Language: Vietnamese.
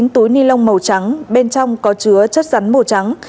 chín túi ni lông màu trắng bên trong có chứa chất rắn màu trắng